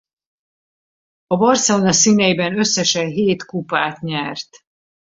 A Barcelona színeiben összesen hét kupát nyert.